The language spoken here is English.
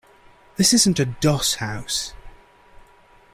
This isn't a doss house.